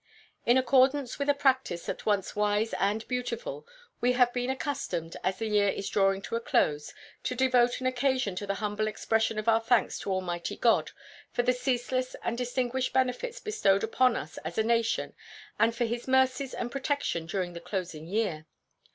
In accordance with a practice at once wise and beautiful, we have been accustomed, as the year is drawing to a close, to devote an occasion to the humble expression of our thanks to Almighty God for the ceaseless and distinguished benefits bestowed upon us as a nation and for His mercies and protection during the closing year.